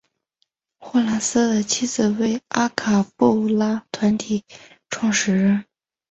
霍蓝斯的妻子为阿卡贝拉团体创始人。